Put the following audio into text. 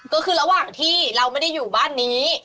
ก็คือระหว่างที่เราไม่ได้อยู่บ้านนี้